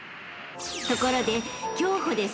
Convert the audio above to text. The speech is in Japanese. ［ところで］